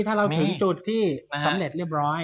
ถ้าเราถึงจุดที่สำเร็จเรียบร้อย